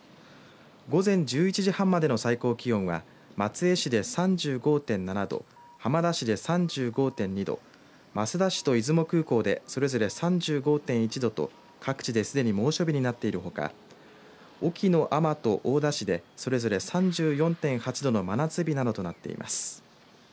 午前１１時半までの最高気温は松江市で３５．７度、浜田市で３５．２度、益田市と出雲空港でそれぞれ３５．１度と各地ですでに猛暑日になっているほか隠岐の海士と大田市でそれぞれ３４．８度の真夏日などとなっています。